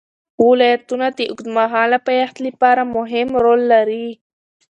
ولایتونه د اوږدمهاله پایښت لپاره مهم رول لري.